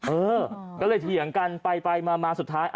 เออก็เลยเถียงกันไปมาสุดท้าย